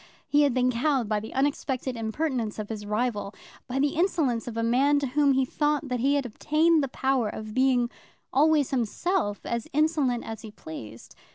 He had been cowed by the unexpected impertinence of his rival, by the insolence of a man to whom he thought that he had obtained the power of being always himself as insolent as he pleased.